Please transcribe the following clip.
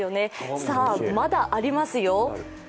まだありますよ。